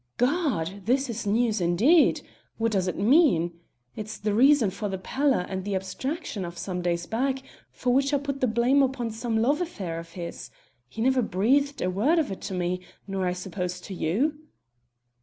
"Gad! this is news indeed! What does it mean? It's the reason for the pallour and the abstraction of some days back, for which I put the blame upon some love affair of his. He never breathed a word of it to me, nor I suppose to you?"